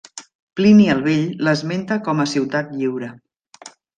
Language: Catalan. Plini el Vell l'esmenta com a ciutat lliure.